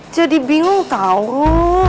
jadi bingung tau